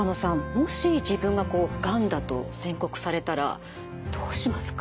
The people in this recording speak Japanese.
もし自分ががんだと宣告されたらどうしますか？